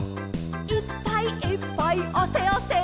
「いっぱいいっぱいあせあせ」